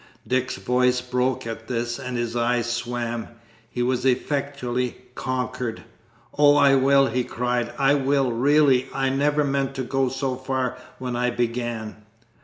Dick's voice broke at this, and his eyes swam he was effectually conquered. "Oh, I will!" he cried, "I will, really. I never meant to go so far when I began."